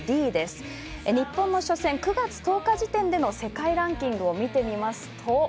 日本の初戦９月１０日時点での世界ランキングを見てみますと。